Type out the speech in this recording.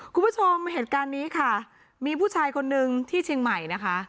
คุณผู้ชมเหตุการณ์นี้ค่ะมีผู้ชายคนนึงที่เชียงใหม่นะคะ